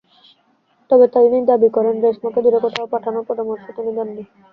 তবে তিনি দাবি করেন, রেশমাকে দূরে কোথাও পাঠানোর পরামর্শ তিনি দেননি।